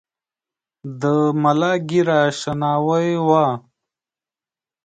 د ملا ږیره شناوۍ وه .